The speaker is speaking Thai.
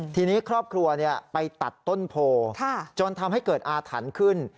ทีนี้ครอบครัวไปตัดต้นโพจนทำให้เกิดอาถรรพ์ขึ้น